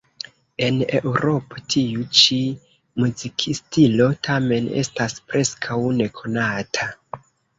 En Eŭropo tiu ĉi muzikstilo tamen estas preskaŭ nekonata.